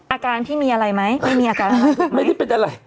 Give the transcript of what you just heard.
อาการพี่มีอะไรไหมไม่มีอาการไม่ได้เป็นอะไร